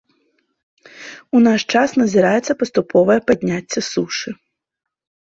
У наш час назіраецца паступовае падняцце сушы.